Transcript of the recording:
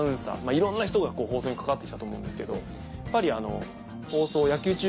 いろんな人が放送に関わってきたと思うんですけどやっぱり放送。